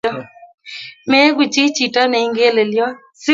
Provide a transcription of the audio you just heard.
Meigu chi chito ne ingelelyot.